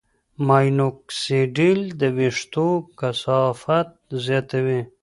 ماینوکسیډیل د وېښتو کثافت زیاتوي.